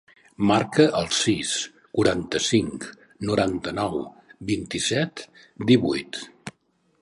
Marca el sis, quaranta-cinc, noranta-nou, vint-i-set, divuit.